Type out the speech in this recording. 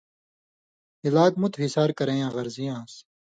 ہِلاک مُت ہِسار کرَیں یاں غرضی آن٘س۔